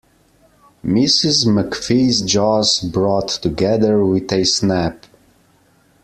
Mrs McFee's jaws brought together with a snap.